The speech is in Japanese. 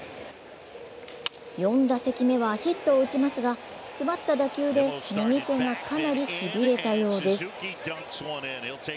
４打席目はヒットを打ちますが詰まった打球で右手がかなりしびれたようです。